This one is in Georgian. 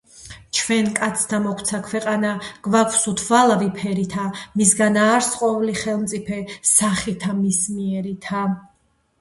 ჩვენ, კაცთა, მოგვცა ქვეყანა, გვაქვს უთვალავი ფერითა, მისგან არს ყოვლი ხელმწიფე სახითა მის მიერითა